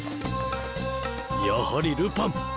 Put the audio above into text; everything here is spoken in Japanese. やはりルパン！